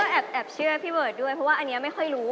แอบเชื่อพี่เบิร์ตด้วยเพราะว่าอันนี้ไม่ค่อยรู้